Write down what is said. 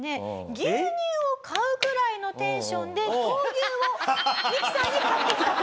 牛乳を買うくらいのテンションで闘牛をミキさんに買ってきたと。